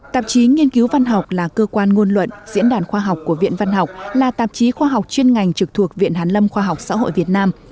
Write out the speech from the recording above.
tạp chí nghiên cứu văn học là cơ quan ngôn luận diễn đàn khoa học của viện văn học là tạp chí khoa học chuyên ngành trực thuộc viện hàn lâm khoa học xã hội việt nam